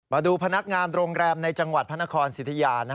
มาดูพนักงานโรงแรมในจังหวัดพระนครสิทธิยา